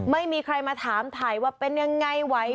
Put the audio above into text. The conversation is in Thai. ไม่มีใครมาถามถ่ายว่าเป็นยังไงไหว